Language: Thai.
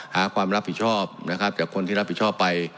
หาความรับผิดชอบนะครับจากคนที่รับผิดชอบไป